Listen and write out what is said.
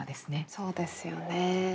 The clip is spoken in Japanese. そうですよね。